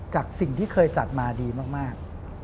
จากสิ่งที่เคยจัดมาดีมาก